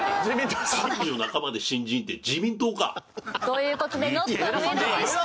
「三十半ばで新人って自民党か！」という事でＮＯＴ上田でした。